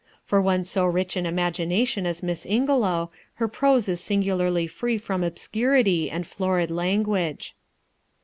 For one so rich in imagination as Miss Ingelow, her prose is singularly free from obscurity and florid language.